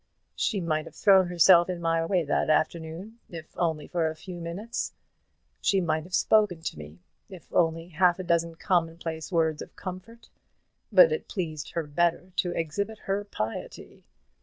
She might have thrown herself in my way that afternoon, if only for a few moments. She might have spoken to me, if only half a dozen commonplace words of comfort; but it pleased her better to exhibit her piety.